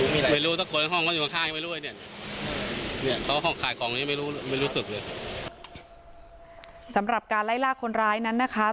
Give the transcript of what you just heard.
เนี้ยเพราะว่าห้องขายกล่องนี้ไม่รู้ไม่รู้สึกเลยสำหรับการไล่ลากคนร้ายนั้นนะคะ